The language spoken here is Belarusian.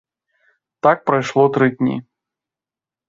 Так прайшло тры дні.